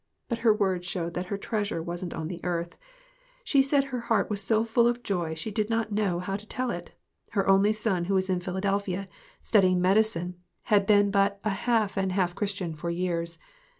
But her words showed that her treasure wasn't on the earth. She said her heart was so full of joy she did not know how to tell it. Her only son, who was in Philadelphia, studying medicine, had 34 GOOD BREAD AND GOOD MEETINGS. been but a half and half Christian for years.